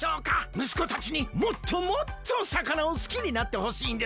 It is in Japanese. むすこたちにもっともっと魚を好きになってほしいんです。